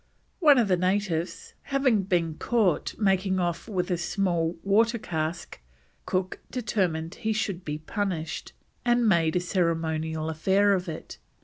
One of the natives having been caught making off with a small water cask, Cook determined he should be punished, and made a ceremonial affair of it.